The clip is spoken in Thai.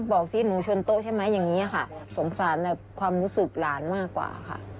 บอกสิหนูชนโต๊ะใช่ไหมอย่างนี้ค่ะสงสารความรู้สึกหลานมากกว่าค่ะ